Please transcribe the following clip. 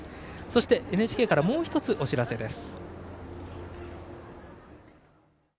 そして、ＮＨＫからもう１つお知らせです。